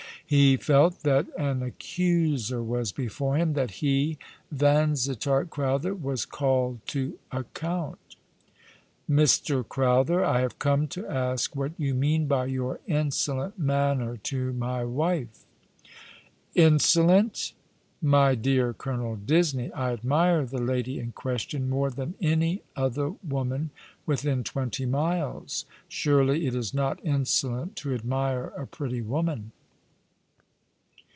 He felt that an accuser was before him— that he, Vansittart Crowther was called to account. " Mr. Crowther, I have come to ask what yon mean by your insolent manner to my wife ?"" Insolent ! My dear Colonel Disney, I admire the lady in question more than any other woman within twenty miles. Surely it is not insolent to admire a pretty woman